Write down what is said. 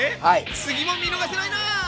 次も見逃せないな！